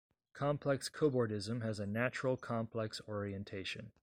Complex cobordism has a natural complex orientation.